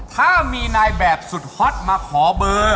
ถ้ามีนายแบบสุดฮอตมาขอเบอร์